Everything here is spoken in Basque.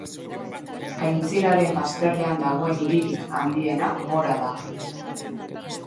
Aintziraren bazterrean dagoen hiririk handiena Mora da.